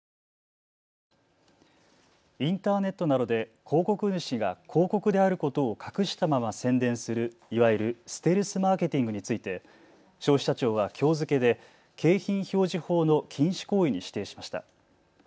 インターネットなどで広告主が広告であることを隠したまま宣伝するいわゆるステルスマーケティングについて消費者庁はきょう付けで景品表示法の禁止行為に指定しました。